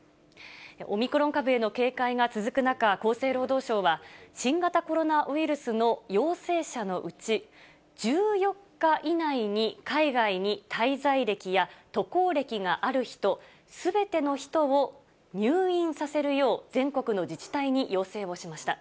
オミクロン株への警戒が続く中、厚生労働省は、新型コロナウイルスの陽性者のうち、１４日以内に海外に滞在歴や渡航歴がある人、すべての人を、入院させるよう全国の自治体に要請をしました。